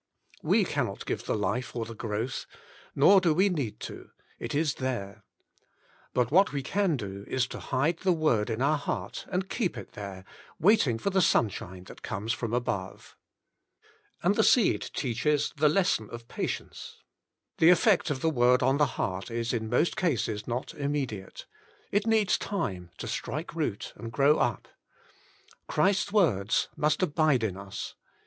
We cannot give the life or the growth. Nor do we need to : it is there. But what we can do is to hide the Word in our heart, and keep it there, waiting for the sunshine that comes from above. And the seed teaches the Lesson of Patience. The effect of the Word on the heart is in most cases not immediate. It needs time to strike root, and grow up: Christ's words must abide in us.